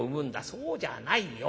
そうじゃないよ。